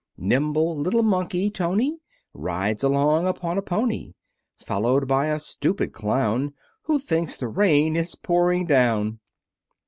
Nimble little Monkey, Tony, Rides along upon a pony, Followed by a stupid Clown, Who thinks the rain is pouring down.